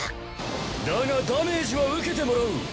だがダメージは受けてもらう！